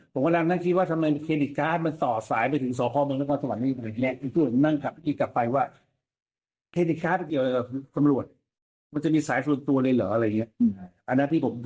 ผมกำลังนั่งคิดว่าทำไมเครดิตการ์ดมันต่อสายไปถึงสพเมืองนครสวรรค์